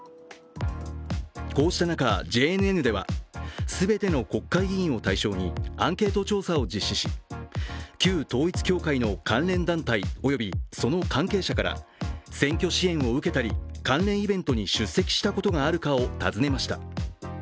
こうした中、ＪＮＮでは全ての国会議員を対象にアンケート調査を実施し旧統一教会の関連団体およびその関係者から選挙支援を受けたり関連イベントに出席したことがあるかを尋ねました。